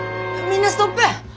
みんなストップ！